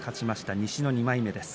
西の２枚目です。